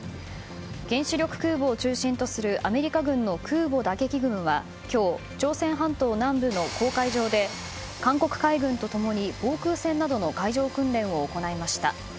原子力空母を中心とするアメリカ軍の空母打撃群は今日、朝鮮半島南部の公海上で韓国海軍と共に、防空戦などの海上訓練を行いました。